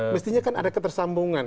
mestinya kan ada ketersambungan